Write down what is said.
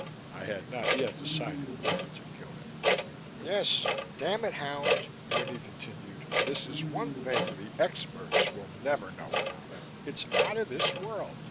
I had not yet decided when to kill him. "Yes, damn it! hound," Winnie continued. "This is one thing the experts will never know about. It's out of this world.